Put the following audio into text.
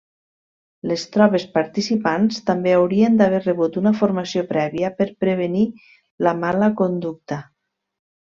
Les tropes participants també haurien d'haver rebut una formació prèvia per prevenir la mala conducta.